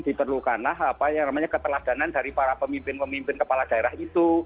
diperlukanlah apa yang namanya keteladanan dari para pemimpin pemimpin kepala daerah itu